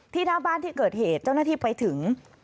หน้าบ้านที่เกิดเหตุเจ้าหน้าที่ไปถึง